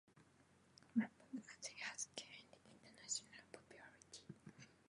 Rapper dancing has gained international popularity.